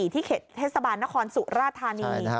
ที่เขตเทศบาลนครสุราธานี